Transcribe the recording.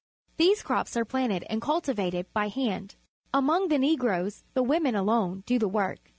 These crops are planted and cultivated by hand. Among the Negroes the women alone do the work.